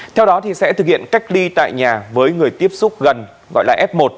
theo đó sẽ thực hiện cách ly tại nhà với người tiếp xúc gần gọi là f một